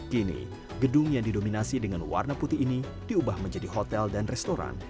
kini gedung yang didominasi dengan warna putih ini diubah menjadi hotel dan restoran